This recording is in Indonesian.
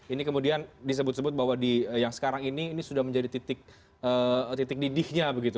ini kemudian disebut sebut bahwa yang sekarang ini sudah menjadi titik didihnya begitu